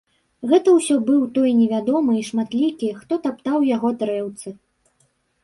Гэта ўсё быў той невядомы і шматлікі, хто таптаў яго дрэўцы.